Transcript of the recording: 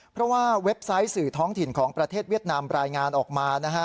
เพราะว่าเว็บไซต์สื่อท้องถิ่นของประเทศเวียดนามรายงานออกมานะฮะ